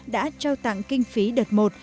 đã cho tặng kinh phí đợt một